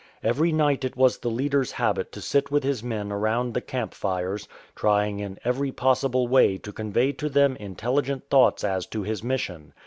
Every night it was the leader's habit to sit with his men around the camp fires, trying in every possible way to convey to them intelligent thoughts as to his mission.